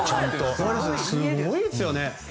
すごいですよね。